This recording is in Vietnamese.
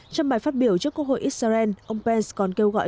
trong bài phát biểu trước quốc hội israel ông pence còn kêu gọi